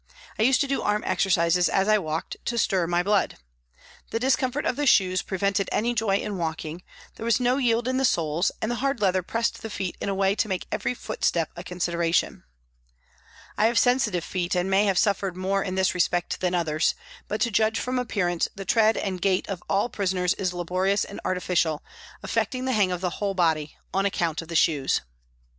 I used to do arm exercises as I walked to stir my blood. The discomfort of the shoes pre vented any joy in walking, there was no yield in the soles and the hard leather pressed the feet in a way to make every footstep a consideration. I have sensitive feet and may have suffered more in this respect than others, but to judge from appearance the tread and gait of all prisoners is laborious and artificial, affecting the hang of the whole body, on account of the shoes.